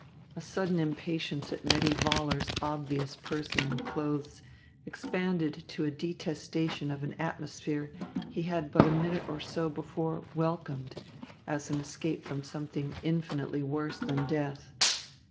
A sudden impatience at Nettie Vollar's obvious person and clothes expanded to a detestation of an atmosphere he had but a minute or so before welcomed as an escape from something infinitely worse than death.